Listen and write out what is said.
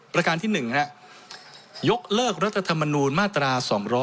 ประการที่๑ยกเลิกรัฐธรรมนูญมาตรา๒๗